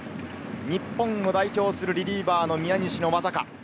日本を代表するリリーバーの宮西の技か。